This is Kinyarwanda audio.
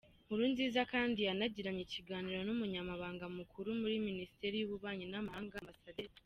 Nkurunziza kandi yanagiranye ikiganiro n’Umunyamabanga Mukuru muri Minisiteri y’Ububanyi n’Amahanga, Amb.